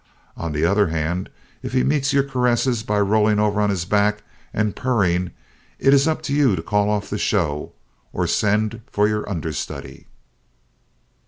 On the other hand, if he meets your caresses by rolling over on his back and purring it is up to you to call off the show or send for your understudy.